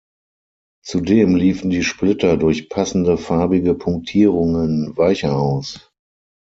Zudem liefen die Splitter durch passende farbige Punktierungen weicher aus.